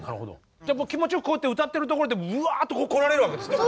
気持ちよくこうやって歌ってるところでブワーッと来られるわけですね。